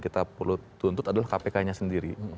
kita perlu tuntut adalah kpk nya sendiri